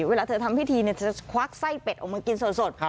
เวลาเธอทำพิธีจะควักไส้เป็ดออกมากินสด